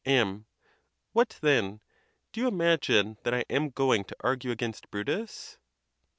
M. What, then? do you imagine that I am going to argue against. Brutus